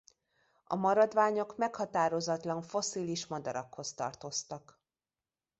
A maradványok meghatározatlan fosszilis madarakhoz tartoztak.